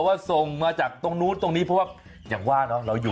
ข้างบัวแห่งสันยินดีต้อนรับทุกท่านนะครับ